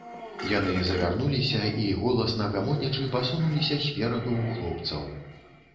Яны завярнуліся і, голасна гамонячы, пасунуліся спераду ў хлопцаў.